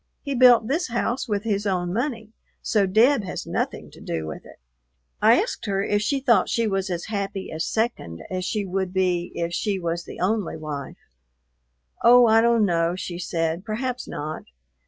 He built this house with his own money, so Deb has nothing to do with it." I asked her if she thought she was as happy as "second" as she would be if she was the only wife. "Oh, I don't know," she said, "perhaps not.